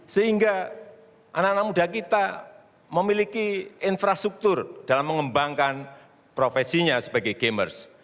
sehingga anak anak muda kita memiliki infrastruktur dalam mengembangkan profesinya sebagai gamers